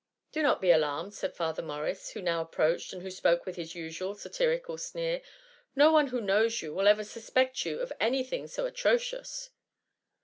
" Do not be alarmed," said Father Morris, who now approached, and who spoke with his usual satirical sneer :No one who knows you will ever suspect you of any thing so atro cious."